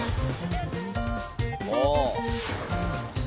ああ。